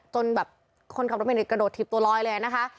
จนแบบคนขับรถเมริกกระโดดถีบตัวลอยเลยนะคะ